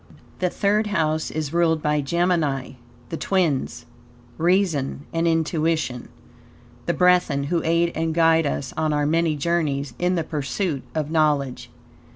The Third House is ruled by Gemini, the Twins, Reason and Intuition, the brethren who aid and guide us on our many journeys in the pursuit of knowledge.